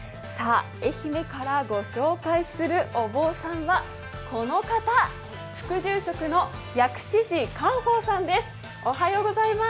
愛媛からご紹介するお坊さんは、この方、副住職の薬師寺寛邦さんです。